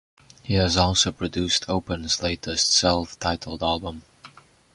He has also produced Open's latest self-titled album.